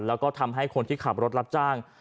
แล้วก็ทำให้คนที่ขับรถรับจ้าง